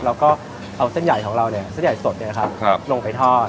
แล้วก็เอาเส้นใหญ่ของเราเนี่ยเส้นใหญ่สดเนี่ยครับลงไปทอด